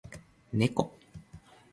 ねこ